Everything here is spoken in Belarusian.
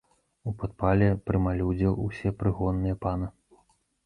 У падпале прымалі ўдзел усе прыгонныя пана.